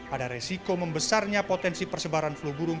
ada resiko membesarnya potensi persebaran flu burung